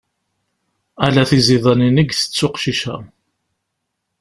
Ala tiziḍanin i itett weqcic-a.